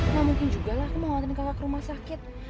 ya mungkin juga lah aku mau ngantrin kakak ke rumah sakit